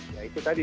ya itu tadi